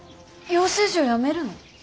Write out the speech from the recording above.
養成所やめるの？